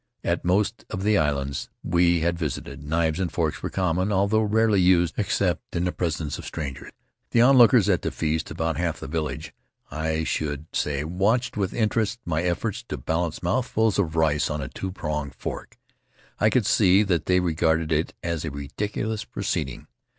At most of the islands we had visited, knives and forks were common, although rarely used except in the presence of strangers. The onlookers at the feast — about half the village, I should say — watched with interest my efforts to balance mouthfuls of rice on a two prong fork. I could see that they regarded it as a ridiculous proceeding.